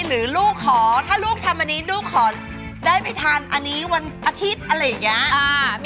หรือลูกขอถ้าลูกทำอันนี้ลูกขอได้ไปทานอันนี้วันอาทิตย์อะไรอย่างนี้